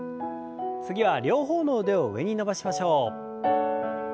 次は両方の腕を上に伸ばしましょう。